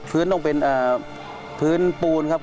พื้นต้องเป็นพื้นปูนครับ